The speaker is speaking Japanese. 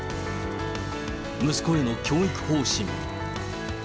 息子への教育方針。